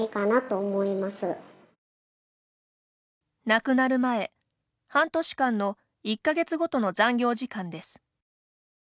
亡くなる前、半年間の１か月ごとの残業時間です。